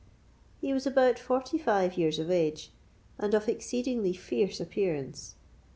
He was about forty five years of age, and of exceedingly fierce appearance.